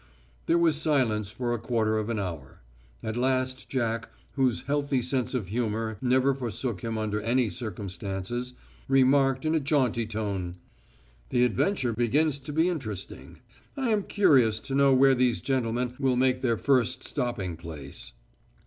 There was silence for a quarter of an hour. At last Jack, whose healthy sense of humour never forsook him under any circumstances, remarked in a jaunty tone: "The adventure begins to be interesting. I am curious to know where these gentlemen will make their first stopping place."